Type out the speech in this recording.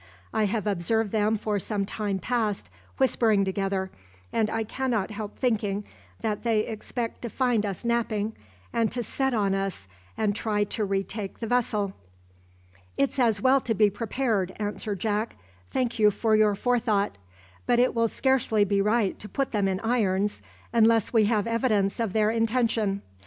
I have observed them for some time past whispering together, and I cannot help thinking that they expect to find us napping, and to set on us and try to retake the vessel." "It's as well to be prepared," answered Jack. "Thank you for your forethought. But it will scarcely be right to put them in irons, unless we have evidence of their intention.